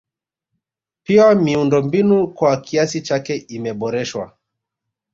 Pia miundombinu kwa kiasi chake imeboreshwa